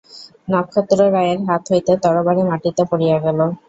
নক্ষত্ররায়ের হাত হইতে তরবারি মাটিতে পড়িয়া গেল।